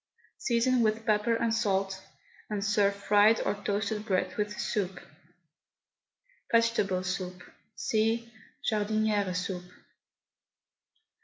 Season with pepper and salt, and serve fried or toasted bread with the soup. VEGETABLE SOUP. (See JARDINIERE SOUP.)